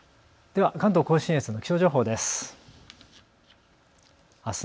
では関東甲信越の気象情報です。